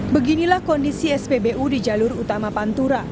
beginilah kondisi spbu di jalur utama pantura